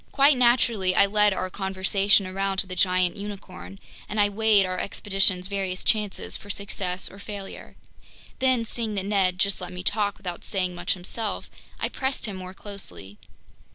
Quite naturally, I led our conversation around to the giant unicorn, and I weighed our expedition's various chances for success or failure. Then, seeing that Ned just let me talk without saying much himself, I pressed him more closely.